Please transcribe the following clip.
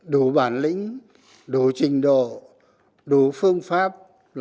đủ bản lĩnh đủ trình độ đủ phương pháp